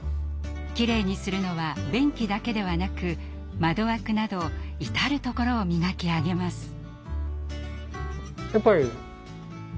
きれいにするのは便器だけではなく窓枠など至る所を磨き上げます。